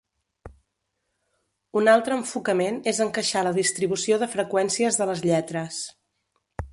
Un altre enfocament és encaixar la distribució de freqüències de les lletres.